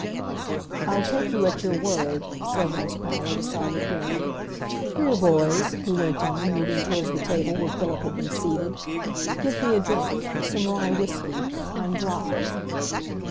"I'll take you at your word," Sylvanus Power decided grimly. "Here, boys," he went on, moving towards the table where Philip had been seated, "give me a drink some rye whisky. I'm dry."